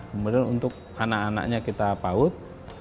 kemudian untuk anak anaknya kita paut